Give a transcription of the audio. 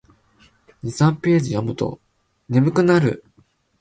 二三ページ読むと眠くなる